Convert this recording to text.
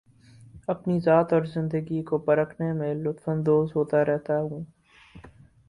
اپنی ذات اور زندگی کو پرکھنے میں لطف اندوز ہوتا رہتا ہوں